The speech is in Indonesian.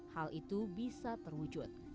hal itu bisa terwujud